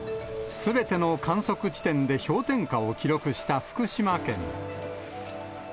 すべての観測地点で氷点下を記録した福島県。